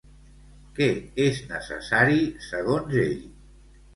Què és necessari, segons ell?